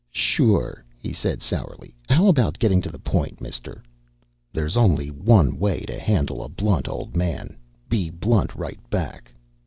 "Sure," he said sourly. "How about getting to the point, Mister?" There's only one way to handle a blunt old man. Be blunt right back.